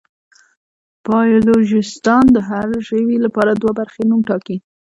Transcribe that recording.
بایولوژېسټان د هر ژوي لپاره دوه برخې نوم ټاکي.